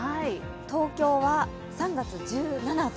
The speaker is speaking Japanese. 東京は３月１７と。